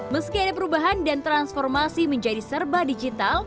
meski ada perubahan dan transformasi menjadi serba digital